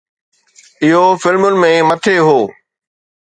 اهو فلمن ۾ مٿي هو.